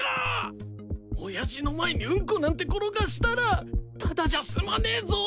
親父の前にウンコなんて転がしたらただじゃ済まねえぞ！